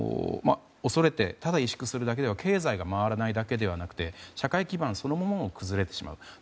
恐れて、ただ委縮するだけでは経済が回らないだけではなくて社会基盤そのものも崩れてしまう。